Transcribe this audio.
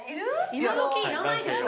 今どきいらないでしょ。